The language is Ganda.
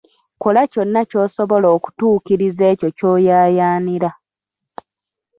Kola kyonna ky'osobola okutuukiriza ekyo ky'oyaayaanira.